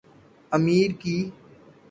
امیر کی